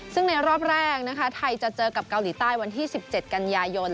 ซึ่งในรอบแรกนะคะไทยจะเจอกับเกาหลีใต้วันที่๑๗กันยายน